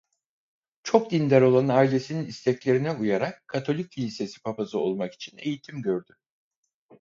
Çok dindar olan ailesinin isteklerine uyarak Katolik kilisesi papazı olmak için eğitim gördü.